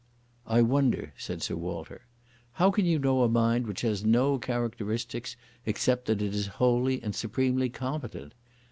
"I wonder," said Sir Walter. "How can you know a mind which has no characteristics except that it is wholly and supremely competent?